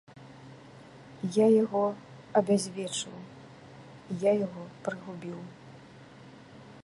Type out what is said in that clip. Я яго абязвечыў, я яго прыгубіў?